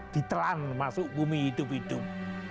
ditelan masuk bumi hidup hidup